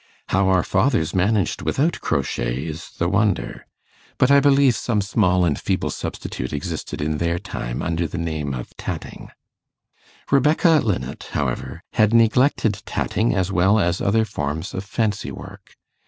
How our fathers managed without crochet is the wonder; but I believe some small and feeble substitute existed in their time under the name of 'tatting'. Rebecca Linnet, however, had neglected tatting as well as other forms of fancy work.